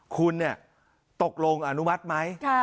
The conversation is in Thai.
คุณตกลงอนุมัติไหม